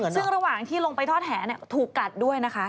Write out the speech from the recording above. ซึ่งระหว่างที่ลงไปทอดแหถูกกัดด้วยนะคะ